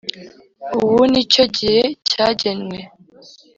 Ubu ni cyo gihe cyagenwe